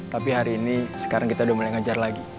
tapi hari ini sekarang kita udah mulai ngajar lagi